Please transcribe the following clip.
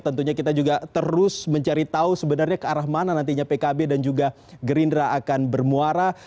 tentunya kita juga terus mencari tahu sebenarnya ke arah mana nantinya pkb dan juga gerindra akan bermuara